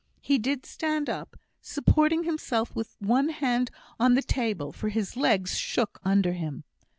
He did stand up, supporting himself with one hand on the table, for his legs shook under him.